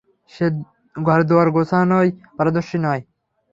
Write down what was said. সে ঘর-দুয়োর গোছানোয় পারদর্শী নয়।